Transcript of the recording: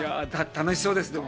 楽しそうです、でも。